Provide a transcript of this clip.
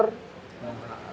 dan kita juga kita juga